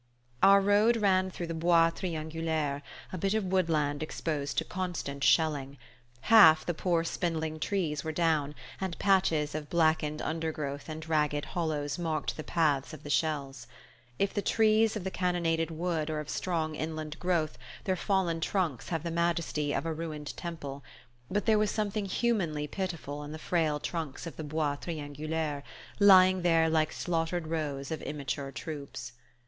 Our road ran through the "Bois Triangulaire," a bit of woodland exposed to constant shelling. Half the poor spindling trees were down, and patches of blackened undergrowth and ragged hollows marked the path of the shells. If the trees of a cannonaded wood are of strong inland growth their fallen trunks have the majesty of a ruined temple; but there was something humanly pitiful in the frail trunks of the Bois Triangulaire, lying there like slaughtered rows of immature troops.